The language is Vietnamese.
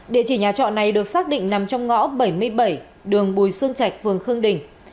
địa chỉ nhà trọ này được xác định nằm trong ngõ bảy mươi bảy đường bùi sương trạch phường khương đình